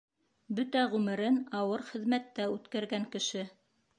Бөтә ғүмерен ауыр хеҙмәттә үткәргән кеше.